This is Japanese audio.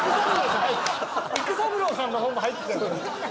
育三郎さんの方も入ってきたよ